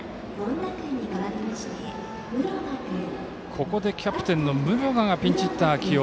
ここでキャプテンの室賀がピンチヒッター起用。